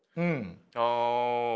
ああ。